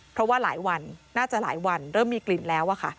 เพราะว่าหลายวันน่าจะหลายวันเริ่มมีกลิ่นแล้วอะค่ะ